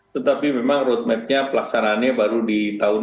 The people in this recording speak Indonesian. tetapi memang roadmap nya pelaksanaannya baru di tahun dua ribu dua puluh empat